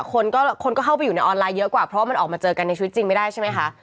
คนก็คนก็เข้าไปอยู่ในออนไลน์เยอะกว่าเพราะว่ามันออกมาเจอกันในชีวิตจริงไม่ได้ใช่ไหมคะ